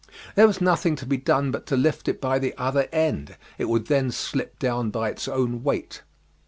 There was nothing to be done but to lift it by the other end; it would then slip down by its own weight.